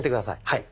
はい。